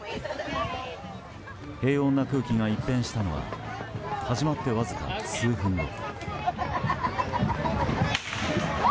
平穏な空気が一変したのは始まってわずか数分後。